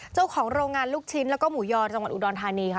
เจ้าของโรงงานลูกชิ้นแล้วก็หมูยอจังหวัดอุดรธานีค่ะ